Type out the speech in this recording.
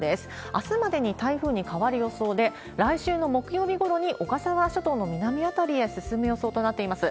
あすまでに台風に変わる予想で、来週の木曜日ごろに小笠原諸島の南辺りへ進む予想となっています。